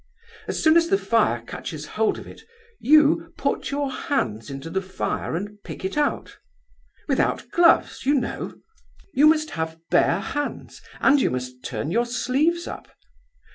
As soon as the fire catches hold of it, you put your hands into the fire and pick it out—without gloves, you know. You must have bare hands, and you must turn your sleeves up.